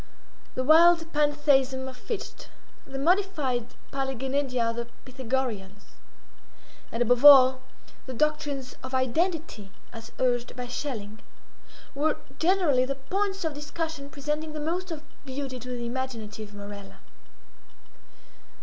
The wild Pantheism of Fichte; the modified Paliggenedia of the Pythagoreans; and, above all, the doctrines of Identity as urged by Schelling, were generally the points of discussion presenting the most of beauty to the imaginative Morella.